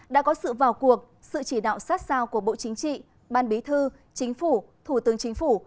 đã có sự vào cuộc sự chỉ đạo sát sao của bộ chính trị ban bí thư chính phủ thủ tướng chính phủ